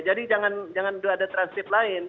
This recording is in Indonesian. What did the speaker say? jadi jangan ada transkip lain